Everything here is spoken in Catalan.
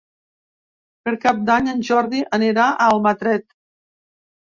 Per Cap d'Any en Jordi anirà a Almatret.